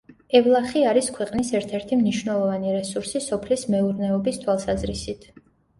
ევლახი არის ქვეყნის ერთ-ერთი მნიშვნელოვანი რესურსი სოფლის მეურნეობის თვალსაზრისით.